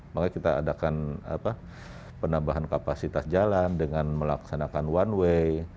maka kita adakan penambahan kapasitas jalan dengan melaksanakan one way